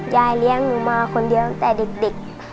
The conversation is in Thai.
ยายเลี้ยงหนูมาคนเดียวตั้งแต่เด็ก